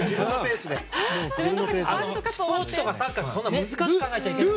スポーツとかサッカーってそんな難しく考えちゃいけない。